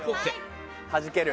はじける。